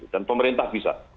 dan pemerintah bisa